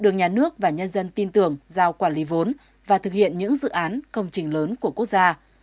nhân dân tin tưởng giao quản lý vốn và thực hiện những dự án công trình lớn của quốc gia